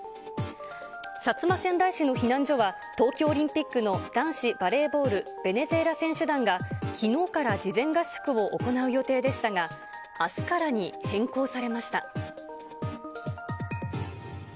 薩摩川内市の避難所は、東京オリンピックの男子バレーボールベネズエラ選手団が、きのうから事前合宿を行う予定でしたが、あすからに変更されました。